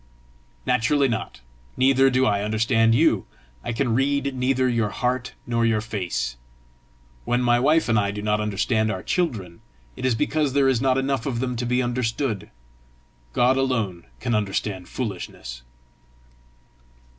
"Naturally not. Neither do I understand you; I can read neither your heart nor your face. When my wife and I do not understand our children, it is because there is not enough of them to be understood. God alone can understand foolishness."